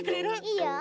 いいよ！